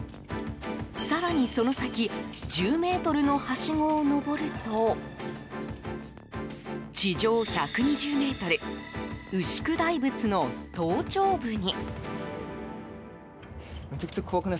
更に、その先１０ｍのはしごを上ると地上１２０ｍ牛久大仏の頭頂部に。